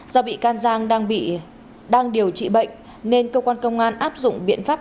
do bị can giang đang điều trị bệnh nên cơ quan công an áp dụng biện pháp